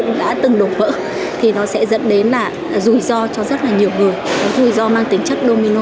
nếu nó đã từng đột vỡ thì nó sẽ dẫn đến là rủi ro cho rất là nhiều người rủi ro mang tính chất domino